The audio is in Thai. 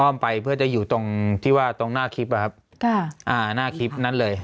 ้อมไปเพื่อจะอยู่ตรงที่ว่าตรงหน้าคลิปอะครับค่ะอ่าหน้าคลิปนั้นเลย